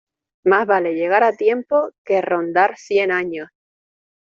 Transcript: Más vale llegar a tiempo que rondar cien años.